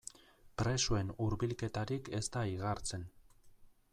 Presoen hurbilketarik ez da igartzen.